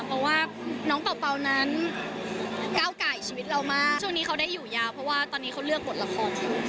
เพราะว่าน้องเป่านั้นก้าวไก่ชีวิตเรามากช่วงนี้เขาได้อยู่ยาวเพราะว่าตอนนี้เขาเลือกบทละครอยู่